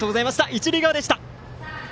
一塁側でした。